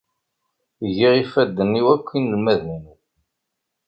Giɣ ifadden i wakk inelmaden-inu.